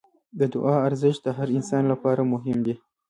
د دعا ارزښت د هر انسان لپاره مهم دی.